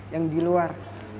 yang di luar